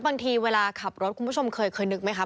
บางทีเวลาขับรถคุณผู้ชมเคยนึกไหมคะ